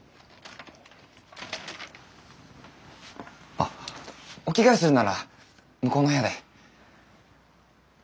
あっお着替えするなら向こうの部屋で。